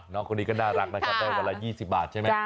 น้องคนนี้ก็น่ารักนะครับได้วันละ๒๐บาทใช่ไหม